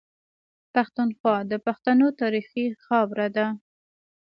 پښتونخوا د پښتنو تاريخي خاوره ده.